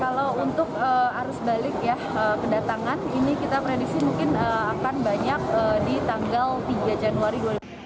kalau untuk arus balik ya kedatangan ini kita predisi mungkin akan banyak di tanggal tiga januari